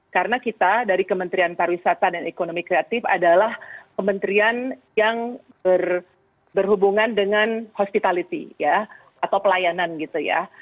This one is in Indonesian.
karena kita dari kementerian pariwisata dan ekonomi kreatif adalah kementerian yang berhubungan dengan hospitality atau pelayanan gitu ya